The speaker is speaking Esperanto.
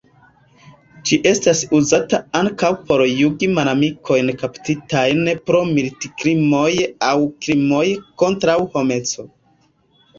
Ĝi estas uzata ankaŭ por juĝi malamikojn kaptitajn pro militkrimoj aŭ krimoj kontraŭ homeco.